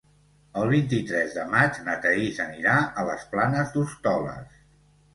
El vint-i-tres de maig na Thaís anirà a les Planes d'Hostoles.